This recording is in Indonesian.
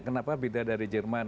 kenapa beda dari jerman